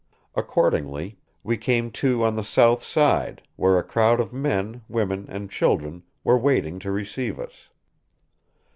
Accordingly ... we came to on the south side, where a crowd of men, women and children were waiting to receive us.